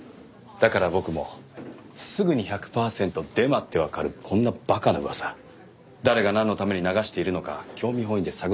だから僕もすぐに１００パーセントデマってわかるこんな馬鹿な噂誰がなんのために流しているのか興味本位で探ってみたくなって。